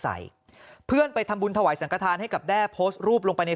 ใส่เพื่อนไปทำบุญถวายสังกฐานให้กับแด้โพสต์รูปลงไปใน